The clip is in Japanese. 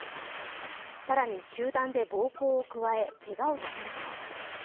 更に、集団で暴行を加えけがをさせました。